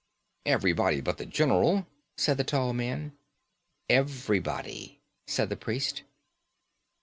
"Everybody but the general," said the tall man. "Everybody," said the priest.